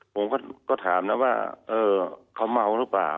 ผมก็ถามนะว่าเขาเมาหรือเปล่า